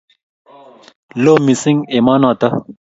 Lo missing' emo notok